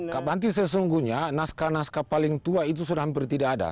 kabanti sesungguhnya naskah naskah paling tua itu sudah hampir tidak ada